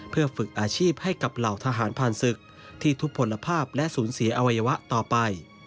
เพื่อฝึกอาชีพให้กับเหล่าทหารผ่านศึกที่ทุกผลภาพและสูญเสียอวัยวะต่อไป